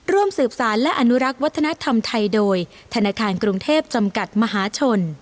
ร่วมสืบสารและอนุรักษ์วัฒนธรรมไทยโดยธนาคารกรุงเทพจำกัดมหาชน